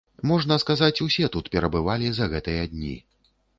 Можна сказаць, усе тут перабывалі за гэтыя дні.